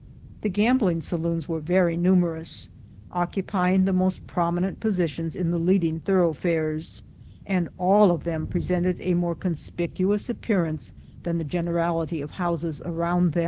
The gambling saloons were very numerous, occu pying the most prominent positions in the leading thoroughfares, and all of them presenting a more conspicuous appearance than the generality of houses around them.